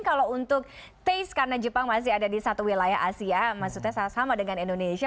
kalau untuk taste karena jepang masih ada di satu wilayah asia maksudnya sama dengan indonesia